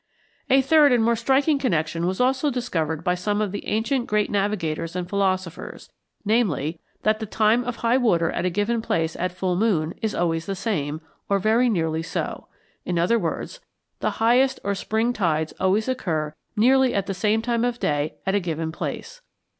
A third and still more striking connection was also discovered by some of the ancient great navigators and philosophers viz. that the time of high water at a given place at full moon is always the same, or very nearly so. In other words, the highest or spring tides always occur nearly at the same time of day at a given place.